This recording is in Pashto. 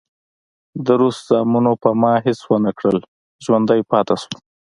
د روس زامنو پر ما هېڅ ونه کړل، ژوندی پاتې شوم.